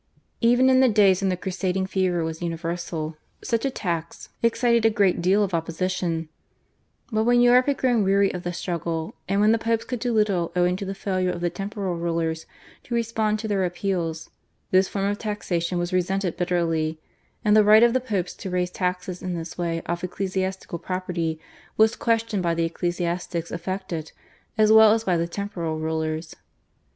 Even in the days when the crusading fever was universal, such a tax excited a great deal of opposition; but when Europe had grown weary of the struggle, and when the Popes could do little owing to the failure of the temporal rulers to respond to their appeals, this form of taxation was resented bitterly, and the right of the Popes to raise taxes in this way off ecclesiastical property was questioned by the ecclesiastics affected as well as by the temporal rulers.